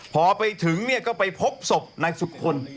พอไปถึงเนี่ยก็ไปพบศพนายสุคล